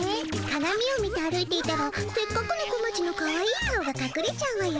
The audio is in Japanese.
かがみを見て歩いていたらせっかくのこまちのかわいい顔がかくれちゃうわよね。